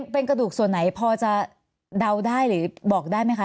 เป็นกระดูกส่วนไหนพอจะเดาได้หรือบอกได้ไหมคะ